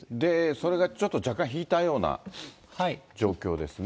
それがちょっと若干引いたような状況ですね。